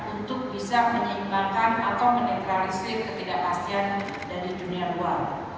untuk bisa menyeimbangkan atau menetralisir ketidakpastian dari dunia luar